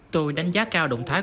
tôi đánh giá cao động thái